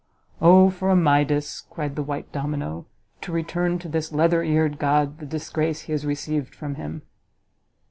"O for a Midas," cried the white domino, "to return to this leather eared god the disgrace he received from him!"